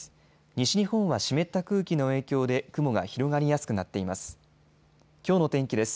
西日本は湿った空気の影響で雲が広がりやすくなっています。